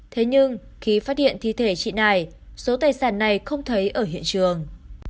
thế nhưng khi phát hiện thi thể chị nải số tài sản này không thấy ở hiện trường